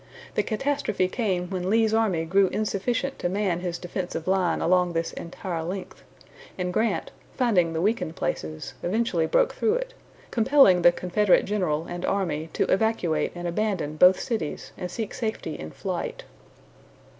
The catastrophe came when Lee's army grew insufficient to man his defensive line along this entire length, and Grant, finding the weakened places, eventually broke through it, compelling the Confederate general and army to evacuate and abandon both cities and seek safety in flight.